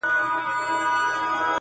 o عبث دي راته له زلفو نه دام راوړ,